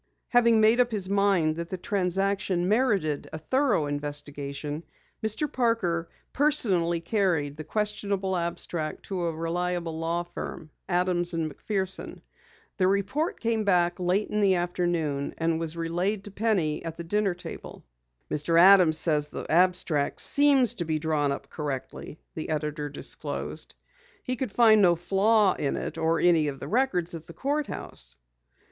Having made up his mind that the transaction merited a thorough investigation, Mr. Parker personally carried the questionable abstract to a reliable law firm, Adams and McPherson. The report came back late in the afternoon, and was relayed to Penny at the dinner table. "Mr. Adams says that the abstract seems to be drawn up correctly," the editor disclosed. "He could find no flaw in it or in any of the records at the court house."